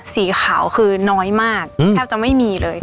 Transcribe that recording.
สีขาวคือน้อยมากแทบจะไม่มีเลย